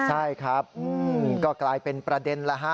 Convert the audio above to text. ใช่ครับก็กลายเป็นประเด็นแล้วฮะ